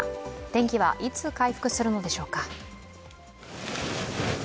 天気はいつ回復するのでしょうか。